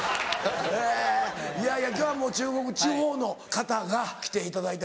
いやいや今日は中国地方の方が来ていただいて。